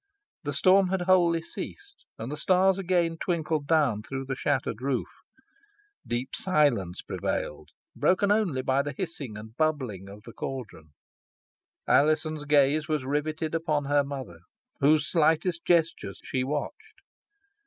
The storm had wholly ceased, and the stars again twinkled down through the shattered roof. Deep silence prevailed, broken only by the hissing and bubbling of the caldron. Alizon's gaze was riveted upon her mother, whose slightest gestures she watched.